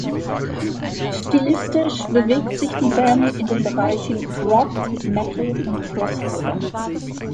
Stilistisch bewegt sich die Band in den Bereichen Rock, Metal und Crossover.